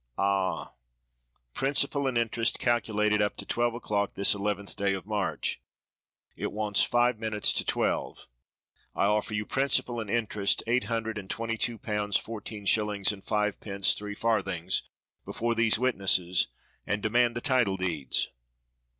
"Ah!" "Principal and interest calculated up to twelve o'clock this eleventh day of March. It wants five minutes to twelve. I offer you principal and interest eight hundred and twenty two pounds fourteen shillings and fivepence three farthings before these witnesses and demand the title deeds."